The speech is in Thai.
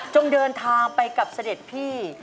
จงเดินทางไปกับเศรษฐพี